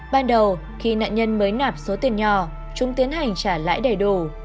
ban đầu khi nạn nhân mới nạp số tiền nhỏ chúng tiến hành trả lãi đầy đủ